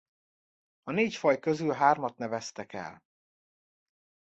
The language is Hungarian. A négy faj közül hármat neveztek el.